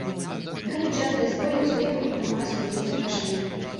Калі час дазволіць, то я буду прымаць такія запрашэнні.